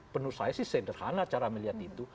menurut saya sih sederhana cara melihat itu